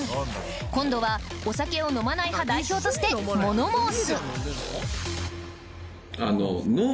今度はお酒を飲まない派代表として物申す！